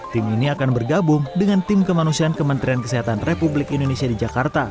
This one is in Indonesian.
tim ini akan bergabung dengan tim kemanusiaan kementerian kesehatan republik indonesia di jakarta